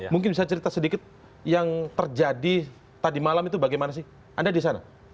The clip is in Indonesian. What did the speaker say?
mungkin bisa cerita sedikit yang terjadi tadi malam itu bagaimana sih anda di sana